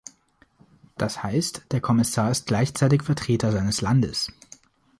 Das heißt, der Kommissar ist gleichzeitig Vertreter seines Landes.